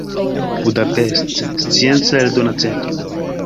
Budapest: Scienca Eldona Centro.